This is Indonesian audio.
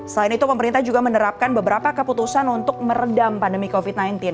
selain itu pemerintah juga menerapkan beberapa keputusan untuk meredam pandemi covid sembilan belas